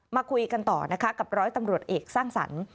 มาคุยกันต่อนะคะกับร้อยตำรวจเอกสร้างสรรค์